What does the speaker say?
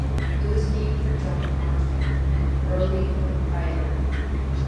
It was named for John Hodgdon, an early proprietor.